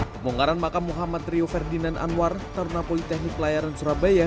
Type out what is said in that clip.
pemungkaran makam muhammad ryo ferdinand anwar tarunah politeknik layaran surabaya